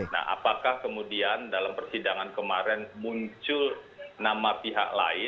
nah apakah kemudian dalam persidangan kemarin muncul nama pihak lain